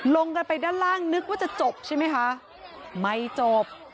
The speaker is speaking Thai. ลงไปด้านล่างนึกว่าจะจบใช่ไหมคะไม่จบ